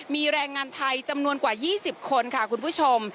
มีแรงงานไทยจำนวนกว่า๒๐คนค่ะคุณผู้ชม